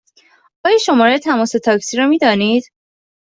آیا شماره تماس تاکسی را می دانید؟